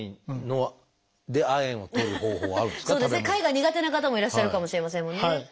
貝が苦手な方もいらっしゃるかもしれませんもんね。